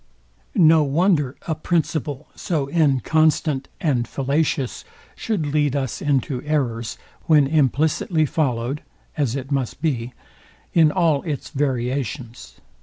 No wonder a principle so inconstant and fallacious should lead us into errors, when implicitly followed (as it must be) in all its variations.